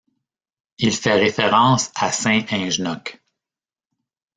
Il fait référence à saint Ingenoc.